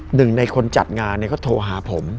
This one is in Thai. หนึ่งในคนจัดงานเนี่ยเขาโทรหาผม